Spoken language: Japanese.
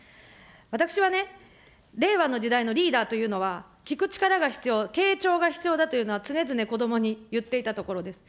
私はね、令和の時代のリーダーというのは、聞く力が必要、傾聴が必要だというのは常々子どもに言っていたところです。